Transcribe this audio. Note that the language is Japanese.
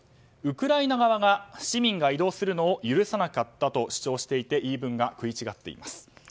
ウクライナ側が市民が移動するのを許さなかったと主張していて言い分が食い違っています。